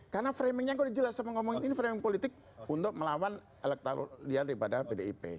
karena framingnya kalau dijelaskan mengomongin ini framing politik untuk melawan elektorian daripada bdip